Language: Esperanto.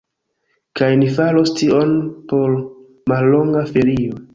Kaj ni faros tion por mallonga ferio.